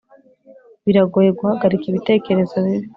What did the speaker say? biragoye guhagarika ibitekerezo bibi;